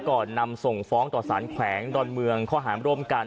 ก่อนนำส่งฟ้องต่อสารแขวงดอนเมืองข้อหารร่วมกัน